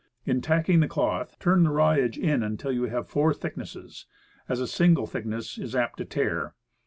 In tacking the cloth, turn the raw edge in until you have four thicknesses, as a single thickness is apt to tear.